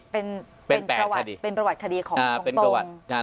เป็นประวัติคดีของตรง